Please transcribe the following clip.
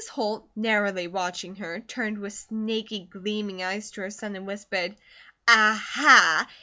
Holt, narrowly watching her, turned with snaky gleaming eyes to her son and whispered: "A ha!